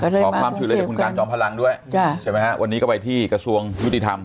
ก็เลยมากรุงเทพกันใช่ไหมฮะวันนี้ก็ไปที่กระทรวงยุติธรรม